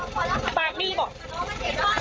ปากดีหรอ